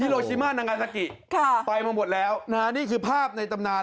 โรชิมานางาซากิไปมาหมดแล้วนะฮะนี่คือภาพในตำนาน